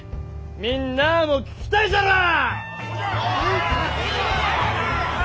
みんなあも聞きたいじゃろう？